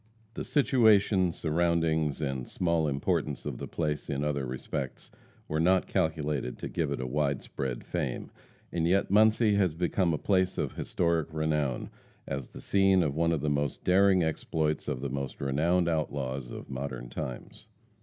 The situation, surroundings and small importance of the place in other respects, were not calculated to give it a wide spread fame; and yet Muncie has become a place of historic renown, as the scene of one of the most daring exploits of the most renowned outlaws of modern times.